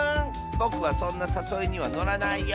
ぼくはそんなさそいにはのらないよ。